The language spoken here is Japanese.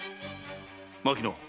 牧野。